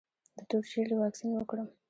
د تور ژیړي واکسین وکړم؟